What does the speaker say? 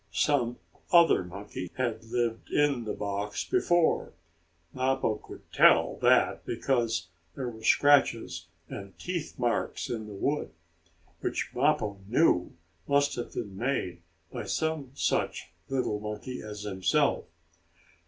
Some other monkey had lived in the box before. Mappo could tell that, because there were scratches and teeth marks in the wood which Mappo knew must have been made by some such little monkey as himself.